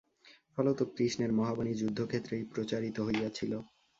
ফলত কৃষ্ণের মহাবাণী যুদ্ধক্ষেত্রেই প্রচারিত হইয়াছিল।